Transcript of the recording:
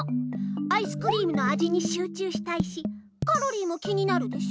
アイスクリームのあじにしゅう中したいしカロリーも気になるでしょ。